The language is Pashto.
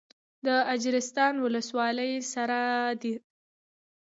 د اجرستان ولسوالۍ سړه ده